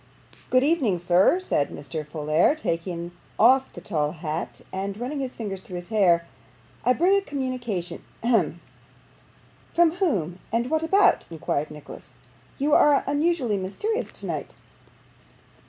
'Good evening, sir,' said Mr. Folair, taking off the tall hat, and running his fingers through his hair. 'I bring a communication. Hem!' 'From whom and what about?' inquired Nicholas. 'You are unusually mysterious tonight.